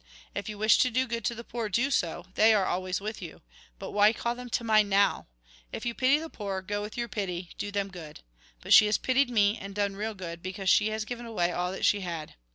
If you wish to do good to the poor, do so ; they are always with you. But why caU them to mind now ? If you pity the poor, go with your pity, do them good. But she has pitied me, and done real good, because she has given away all that she had.